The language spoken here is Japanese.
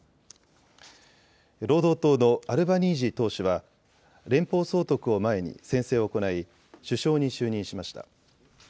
労働党のアルバニージー党首は連邦総督を前に宣誓を行い首相に就任しました。